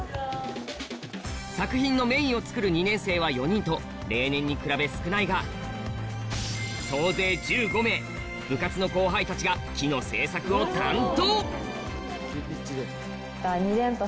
作品のメインを作る２年生は４人と例年に比べ少ないが総勢１５名部活の後輩たちが木の製作を担当！